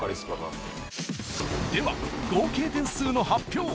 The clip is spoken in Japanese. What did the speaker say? では合計点数の発表。